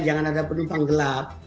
jangan ada penumpang gelap